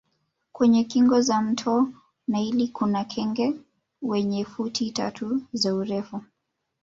Kwenye kingo za mto naili kuna kenge wenye futi tatu za urefu